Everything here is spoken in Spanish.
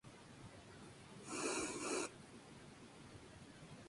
Nació en Barrio Macuto del Municipio Iribarren.